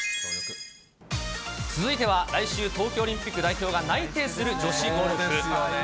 続いては、来週東京オリンピック代表が内定する女子ゴルフ。